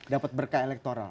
dapat berkah elektoral